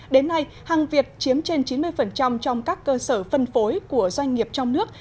đến nay hàng việt chiếm trên chín mươi trong các cơ sở phân phối của doanh nghiệp trong nước